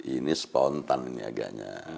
ini spontan ini agaknya